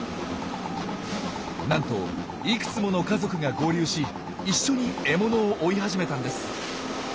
なんといくつもの家族が合流し一緒に獲物を追い始めたんです。